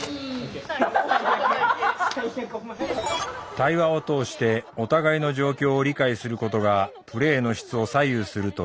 対話を通してお互いの状況を理解することがプレーの質を左右するという。